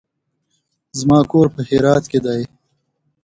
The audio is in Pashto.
زما کور په هرات کې دی.